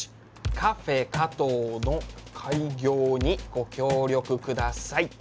「カフェ加藤の開業にご協力ください。